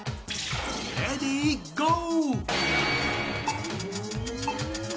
レディーゴー！